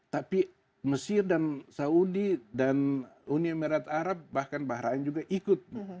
tapi mesir dan saudi dan uni emirat arab bahkan bahrain juga ikut